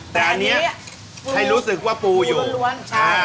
แต่อันนี้ใช่มีผูร้วนใช่แหละอ๋อ